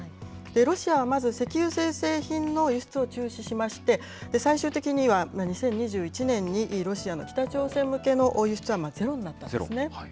ロシアはまず、石油精製品の輸出を中止しまして、最終的には２０２１年にロシアの北朝鮮向けの輸出はゼロになったんですね。